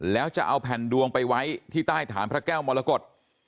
แล้วจะเอาแผ่นดวงไปไว้ที่ใต้ฐานพระแก้วมรกฏ